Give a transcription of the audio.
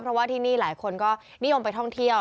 เพราะว่าที่นี่หลายคนก็นิยมไปท่องเที่ยว